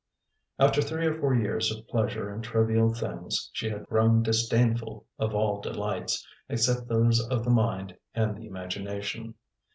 After three or four years of pleasure in trivial things, she had grown disdainful of all delights, except those of the mind and the imagination.